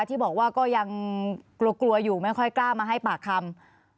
ที่บอกว่าก็ยังกลัวกลัวอยู่ไม่ค่อยกล้ามาให้ปากคำ